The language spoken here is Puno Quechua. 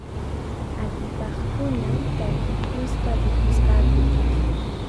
Atipaqkuna takikuspa ripusqaku.